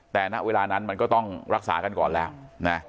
แต่ณเวลานั้นมันก็ต้องรักษากันก่อนแล้วนะ